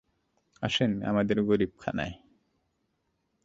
আসেন আমাদের গরীব খানায়।